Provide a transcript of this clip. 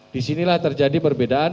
disinilah terjadi perbedaan